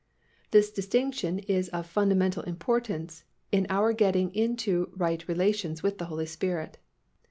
This distinction is of fundamental importance in our getting into right relations with the Holy Spirit.